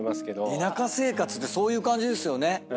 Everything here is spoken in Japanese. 田舎生活ってそういう感じですよね。